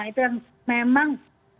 itu yang memang